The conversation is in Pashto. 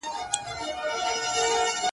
زه به اوس دا توري سترګي په کوم ښار کي بدلومه!!